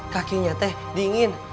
kakinya teh dingin